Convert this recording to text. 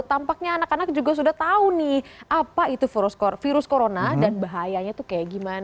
tampaknya anak anak juga sudah tahu nih apa itu virus corona dan bahayanya tuh kayak gimana